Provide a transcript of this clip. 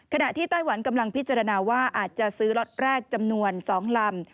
ที่ไต้หวันกำลังพิจารณาว่าอาจจะซื้อล็อตแรกจำนวน๒ลำ